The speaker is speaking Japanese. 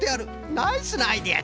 ナイスなアイデアじゃ！